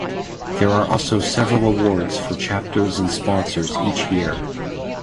There are also several awards for chapters and sponsors each year.